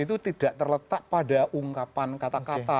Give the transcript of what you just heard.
itu tidak terletak pada ungkapan kata kata